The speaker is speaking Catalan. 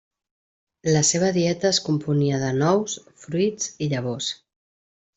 La seva dieta es componia de nous, fruits i llavors.